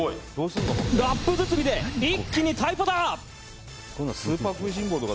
ラップ包みで一気にタイパだ！